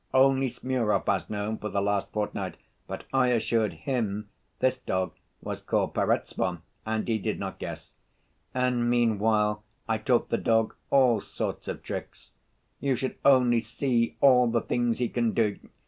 Only Smurov has known for the last fortnight, but I assured him this dog was called Perezvon and he did not guess. And meanwhile I taught the dog all sorts of tricks. You should only see all the things he can do!